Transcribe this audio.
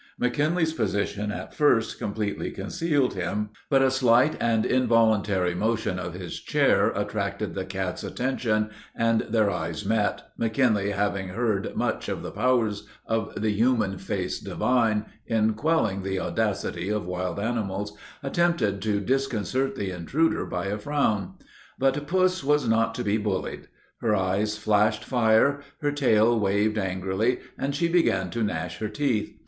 McKinley's position at first completely concealed him, but a slight and involuntary motion of his chair attracted the cat's attention, and their eyes met, McKinley, having heard much of the powers of "the human face divine," in quelling the audacity of wild animals, attempted to disconcert the intruder by a frown. But puss was not to be bullied. Her eyes flashed fire, her tail waved angrily, and she began to gnash her teeth.